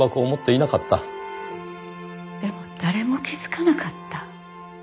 でも誰も気づかなかった。